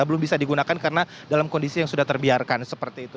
belum bisa digunakan karena dalam kondisi yang sudah terbiarkan seperti itu